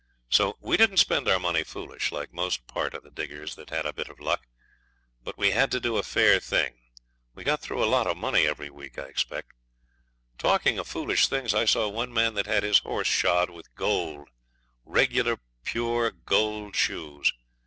So we didn't spend our money foolish, like most part of the diggers that had a bit of luck; but we had to do a fair thing. We got through a lot of money every week, I expect. Talking of foolish things, I saw one man that had his horse shod with gold, regular pure gold shoes.